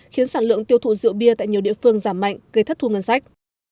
khiến sản lượng tiêu thụ rượu bia tại nhiều địa phương giảm mạnh gây thất thu ngân sách